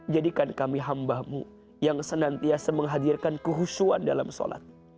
jadikan kami hambamu yang senantiasa menghadirkan kehusuan dalam sholat